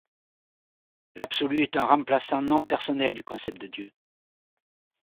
L'Absolu est un remplaçant non-personnel du concept de Dieu.